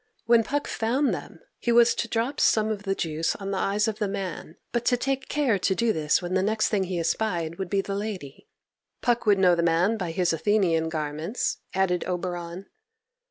When Puck found them, he was to drop some of the juice on the eyes of the man, but to take care to do this when the next thing he espied would be the lady. Puck would know the man by his Athenian garments, added Oberon.